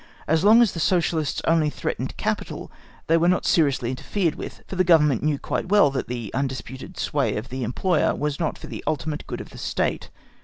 As long as the Socialists only threatened capital they were not seriously interfered with, for the Government knew quite well that the undisputed sway of the employer was not for the ultimate good of the State.